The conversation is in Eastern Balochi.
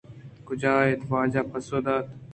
کجا اِنت؟ واجہ ءَ پسو دات